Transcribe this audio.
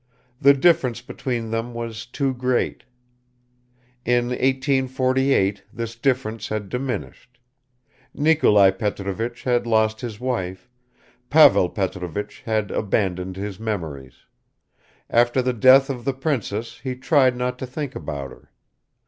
The difference between them was too great. In 1848 this difference had diminished; Nikolai Petrovich had lost his wife, Pavel Petrovich had abandoned his memories; after the death of the princess he tried not to think about her.